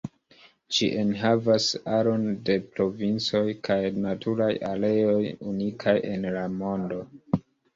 Ĝi enhavas aron de provincoj kaj naturaj areoj unikaj en la mondo.